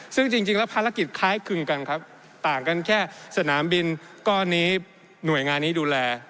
ซึ่งจริงแล้วภารกิจคล้ายคลึงกันครับต่างกันแค่สนามบินก้อนนี้หน่วยงานนี้ดูแล